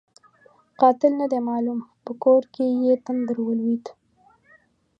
قاتل نه دی معلوم؛ په کور یې تندر ولوېد.